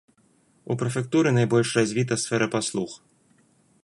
У прэфектуры найбольш развіта сфера паслуг.